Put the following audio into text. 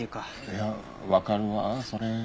いやわかるわそれ。